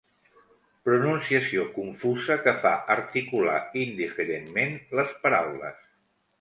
Pronunciació confusa que fa articular indiferentment les paraules.